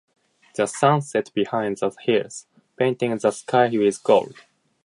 The sun set behind the hills, painting the sky with gold.